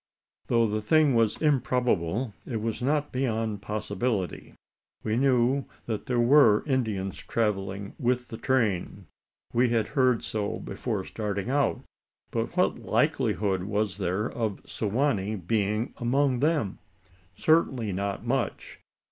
Though the thing was improbable, it was not beyond possibility. We knew that there were Indians travelling with the train: we had heard so before starting out. But what likelihood was there of Su wa nee being among them? Certainly not much.